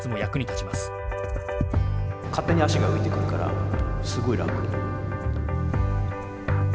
足が勝手に浮いてくるからすごい楽。